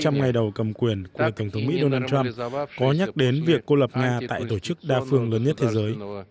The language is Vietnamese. thủ tướng ngoại giao nga gatilov nhận quyền của tổng thống mỹ donald trump có nhắc đến việc cô lập nga tại tổ chức đa phương lớn nhất thế giới